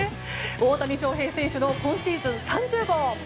大谷翔平選手の今シーズン３０号！